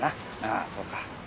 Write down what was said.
ああそうか。